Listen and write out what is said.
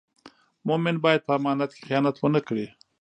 مومن باید په امانت کې خیانت و نه کړي.